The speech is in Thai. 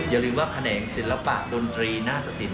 อย่าลืมว่าแขนงศิลปะดนตรีหน้าตสิน